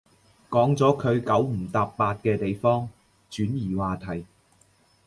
講咗佢九唔搭八嘅地方，轉移話題